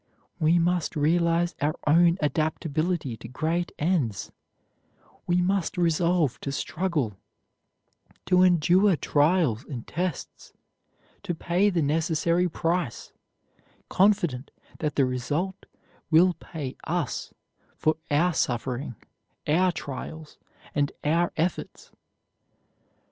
We must realize our own adaptability to great ends; we must resolve to struggle, to endure trials and tests, to pay the necessary price, confident that the result will pay us for our suffering, our trials, and our efforts.